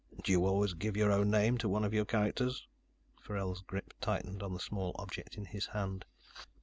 "Do you always give your own name to one of your characters?" Forell's grip tightened on the small object in his hand.